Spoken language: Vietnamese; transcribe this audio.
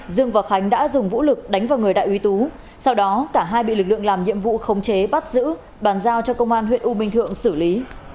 dương và khánh đã dùng vũ lực đánh vào người đại úy tú sau đó cả hai bị lực lượng làm nhiệm vụ khống chế bắt giữ bàn giao cho công an huyện u minh thượng xử lý